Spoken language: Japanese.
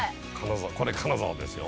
これ金沢ですよ。